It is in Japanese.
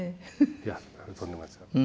いやとんでもないです。